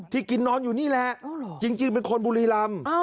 กินนอนอยู่นี่แหละจริงเป็นคนบุรีรำ